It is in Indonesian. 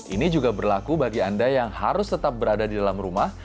ini juga berlaku bagi anda yang harus tetap berada di dalam rumah